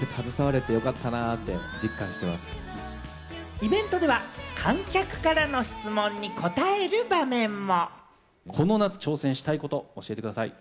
イベントでは観客からの質問に答える場面も。